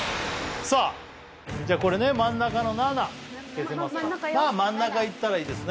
さあじゃあこれね真ん中の７７いってよ真ん中よまあ真ん中いったらいいですね